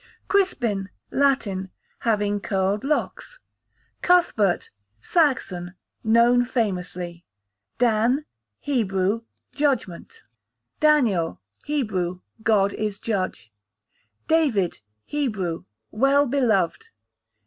Crispin, Latin, having curled locks. Cuthbert, Saxon, known famously. Dan, Hebrew, judgment. Daniel, Hebrew, God is judge. David, Hebrew, well beloved.